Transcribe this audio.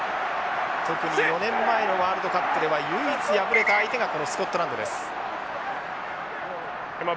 特に４年前のワールドカップでは唯一敗れた相手がこのスコットランドです。